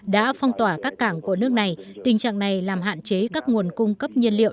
đã phong tỏa các cảng của nước này tình trạng này làm hạn chế các nguồn cung cấp nhiên liệu